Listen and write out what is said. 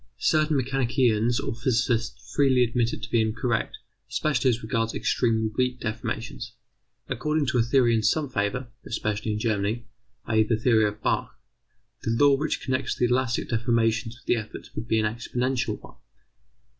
Certain mechanicians or physicists freely admit it to be incorrect, especially as regards extremely weak deformations. According to a theory in some favour, especially in Germany, i.e. the theory of Bach, the law which connects the elastic deformations with the efforts would be an exponential one.